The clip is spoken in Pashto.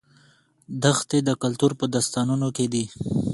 دښتې د کلتور په داستانونو کې دي.